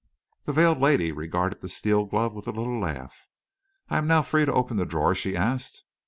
The veiled lady regarded the steel glove with a little laugh. "I am now free to open the drawer?" she asked.